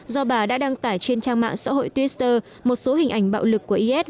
do bà đã đăng tải trên trang mạng xã hội twitter một số hình ảnh bạo lực của is